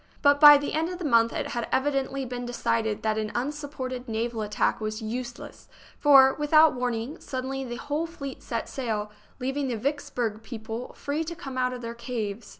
But by the end of the month it had evidently been decided that an unsupported naval attack was useless, for, with out warning, suddenly the whole fleet set sail, leav ing the Vicksburg people free to come out of their caves.